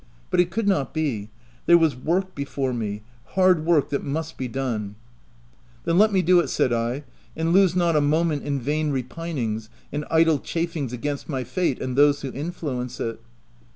But it could not be : there was work before me — hard work, that must be done. OF WILDFELL HALL. 53 "Then let me do it," said I, " and lose not a moment in vain repinings, and idle chafings against my fate, and those who influence it."